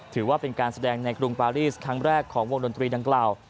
ถือว่าเป็นการแสดงในกรุงปารีสครั้งแรกของวงดนตรีดังกล่าว